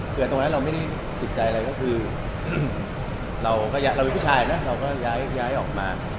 แต่ตอนนั้นเราไม่ติดใจอะไรเลยคือเรามีผู้ชายนะเราก็ย้ายออกมา